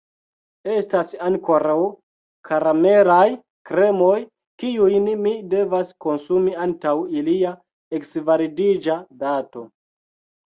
Estas ankoraŭ karamelaj kremoj, kiujn mi devas konsumi antaŭ ilia eksvalidiĝa dato.